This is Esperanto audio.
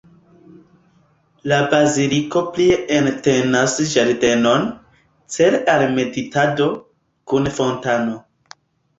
La baziliko plie entenas ĝardenon, cele al meditado, kun fontano.